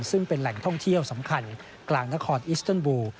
ซึ่งเป็นแหล่งท่องเที่ยวสำคัญกลางนครอิสเติลบูล